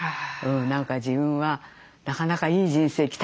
何か自分はなかなかいい人生来たなと思って。